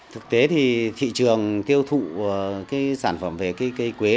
thực tế thì thị trường tiêu thụ cái sản phẩm về cây quế